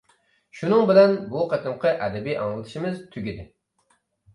شۇنىڭ بىلەن بۇ قېتىمقى ئەدەبىي ئاڭلىتىشىمىز تۈگىدى.